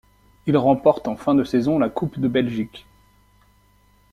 Il remporte en fin de saison la Coupe de Belgique.